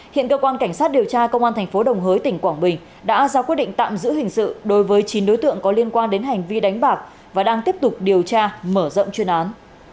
hiện cơ quan cảnh sát điều tra công an thành phố đồng hới tỉnh quảng bình đã ra quyết định tạm giữ hình sự đối với chín đối tượng có liên quan đến hành vi đánh bạc và đang tiếp tục điều tra mở rộng chuyên án